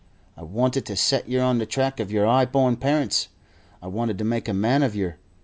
I wanted to set yer on the track of yer 'ighborn parents. I wanted to make a man of yer.